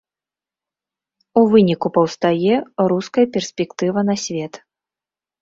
У выніку паўстае руская перспектыва на свет.